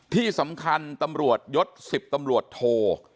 ที่สำคัญตำรวจยศ๑๐ตำรวจโท